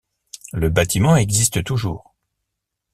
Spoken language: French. Le bâtiment existe toujours.